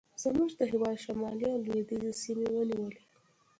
زموږ د هېواد شمالي او لوېدیځې سیمې ونیولې.